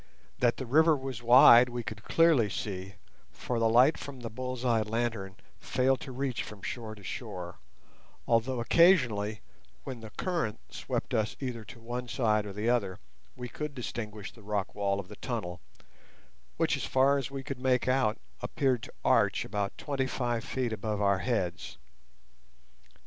That the river was wide we could clearly see, for the light from the bull's eye lantern failed to reach from shore to shore, although occasionally, when the current swept us either to one side or the other, we could distinguish the rock wall of the tunnel, which, as far as we could make out, appeared to arch about twenty five feet above our heads.